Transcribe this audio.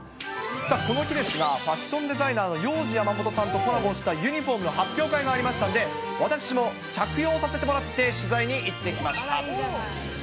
さあ、この日ですが、ファッションデザイナーのヨウジヤマモトさんとコラボしたユニホームの発表会がありましたので、私も着用させてもらって取材に行ってきました。